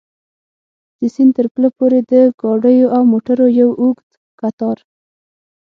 د سیند تر پله پورې د ګاډیو او موټرو یو اوږد کتار.